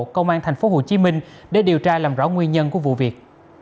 công an thành phố hồ chí minh để điều tra làm rõ nguyên nhân của vụ việc